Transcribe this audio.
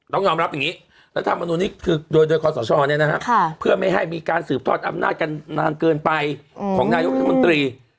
ต้องยอมรับอย่างนี้รัฐมนุนนี้คือโดยคอสชเพื่อไม่ให้มีการสืบทอดอำนาจกันนานเกินไปของนายกรัฐมนตรี